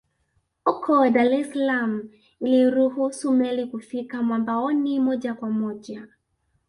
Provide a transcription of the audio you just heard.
Huko Dar es Salaam iliruhusu meli kufika mwambaoni moja kwa moja